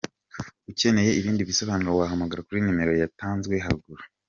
Ukeneye ibindi bisobanuro wahamagara kuri numero yatanzwe haruguru.